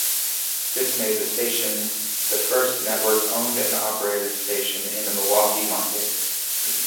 This made the station the first network owned-and-operated station in the Milwaukee market.